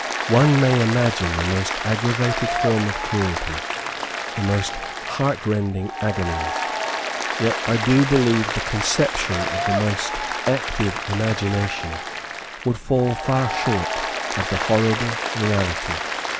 One may imagine the most aggravated form of cruelty, the most heart rending agonies, yet I do believe the conception of the most active imagination would fall far short of the horrible reality.